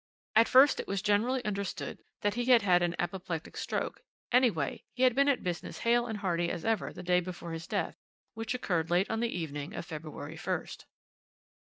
At first it was generally understood that he had had an apoplectic stroke; anyway, he had been at business hale and hearty as ever the day before his death, which occurred late on the evening of February 1st.